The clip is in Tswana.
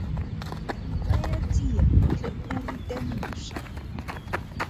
Ntsaya tsia o tle o rute moša.